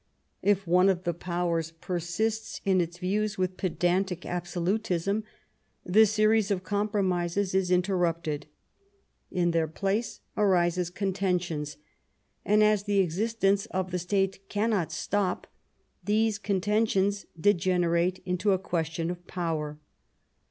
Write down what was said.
If one of the Powers 62 The First Passage of Arms persists in its views with pedantic absolutism, the series of compromises is interrupted ; in their place arise contentions, and, as the existence of the State cannot stop, these contentions degenerate into a question of power.